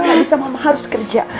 nggak bisa mama harus kerja